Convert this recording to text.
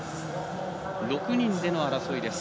６人での争いです。